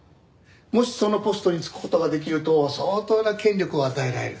もしそのポストに就く事ができると相当な権力を与えられる。